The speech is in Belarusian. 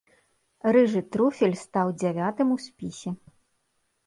Рыжы труфель стаў дзявятым у спісе.